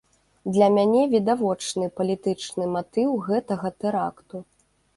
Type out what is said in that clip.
Для мяне відавочны палітычны матыў гэтага тэракту.